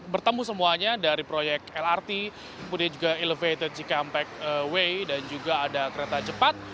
bertemu semuanya dari proyek lrt kemudian juga elevated cikampek way dan juga ada kereta cepat